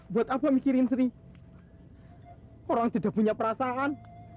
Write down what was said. buat apa mikirin sri orang tidak punya perasaan